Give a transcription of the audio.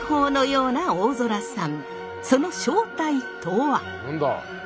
その正体とは？